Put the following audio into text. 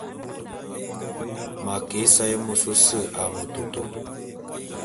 M'a ke ésaé môs ôse a metôtô.